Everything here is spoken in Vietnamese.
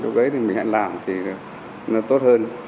điều đấy thì mình hãy làm thì nó tốt hơn